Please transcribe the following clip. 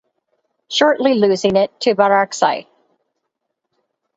Shortly losing it to Barakzai.